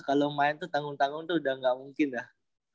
kalau main tuh tanggung tanggung tuh udah gak mungkin ya